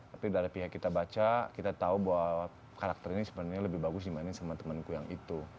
tapi dari pihak kita baca kita tahu bahwa karakter ini sebenarnya lebih bagus dibandingin sama temenku yang itu